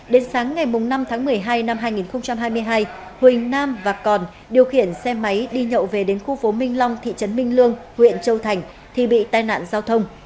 đến sáng ngày năm tháng một mươi hai năm hai nghìn hai mươi hai huỳnh nam và còn điều khiển xe máy đi nhậu về đến khu phố minh long thị trấn minh lương huyện châu thành thì bị tai nạn giao thông